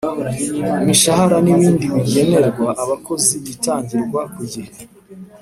imishahara n ibindi bigenerwa abakozi bitangirwa kugihe